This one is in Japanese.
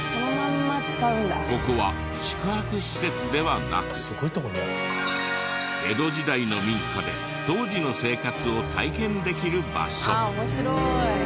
ここは宿泊施設ではなく江戸時代の民家で当時の生活を体験できる場所。